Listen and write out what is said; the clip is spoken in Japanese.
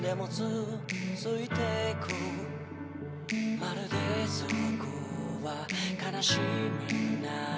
「まるでそこは悲しみなどない世界」